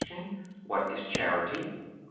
What is Charity? A.